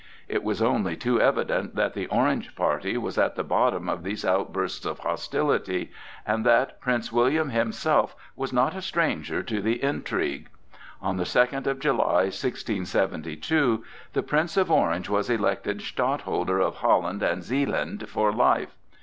It was only too evident that the Orange party was at the bottom of these outbursts of hostility, and that Prince William himself was not a stranger to the intrigues. On the second of July, 1672, the Prince of Orange was elected Stadtholder of Holland and Zealand for life.